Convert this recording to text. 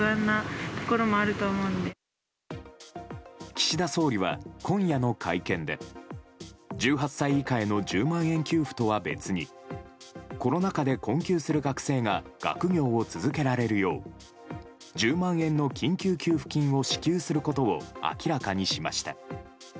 岸田総理は今夜の会見で１８歳以下への１０万円給付とは別にコロナ禍で困窮する学生が学業を続けられるよう１０万円の緊急給付金を支給することを明らかにしました。